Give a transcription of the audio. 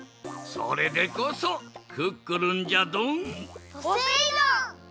それでこそクックルンじゃドン！